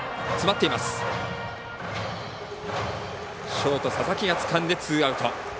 ショート、佐々木がつかんでツーアウト。